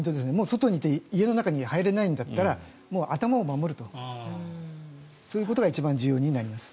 外にいて家の中に入れないんだったら頭を守ると、そういうことが一番重要になります。